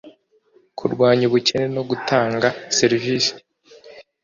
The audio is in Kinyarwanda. kurwanya ubukene no gutanga serivisi